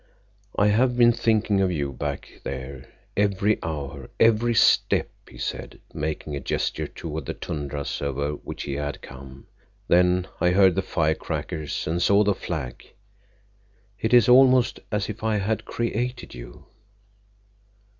"I have been thinking of you back there, every hour, every step," he said, making a gesture toward the tundras over which he had come. "Then I heard the firecrackers and saw the flag. It is almost as if I had created you!"